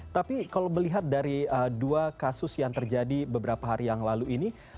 tapi kalau melihat dari dua kasus yang terjadi beberapa hari yang lalu ini